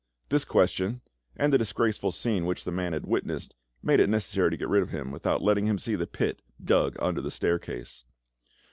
This question, and the disgraceful scene which the man had witnessed, made it necessary to get rid of him without letting him see the pit dug under the staircase.